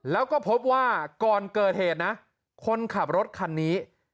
แล้วก็พบว่าก่อนเกิดเหตุนะคนขับรถคันนี้